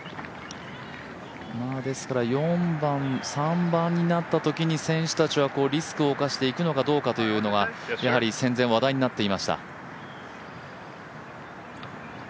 ですから、３番になったときに選手たちはリスクを冒していくかどうかというのがやはり、話題になっていました。